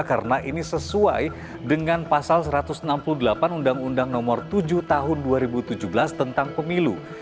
karena ini sesuai dengan pasal satu ratus enam puluh delapan undang undang nomor tujuh tahun dua ribu tujuh belas tentang pemilu